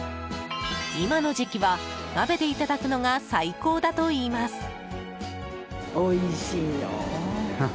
今の時期は鍋でいただくのが最高だといいます。